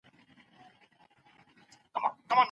هغه نجلۍ په زور بېدېدله.